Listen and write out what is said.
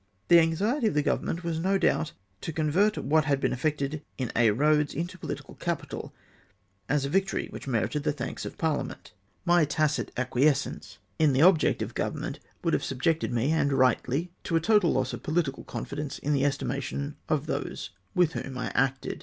The anxiety of the then Government was, no doubt, to convert what had been effected in Aix Eoads into political capital, as a victory which merited the thanks of parliament. My tacit aquiescence in the D D 3 406 LORD GAMBIER DEMANDS A COUET MARTIAL. object of Government would have subjected me, and lightly, to a total loss of poHtical confidence in the estimation of those with whom I acted.